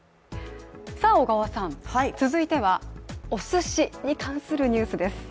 続いてはおすしに関するニュースです。